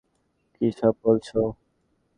কি সব বলছো?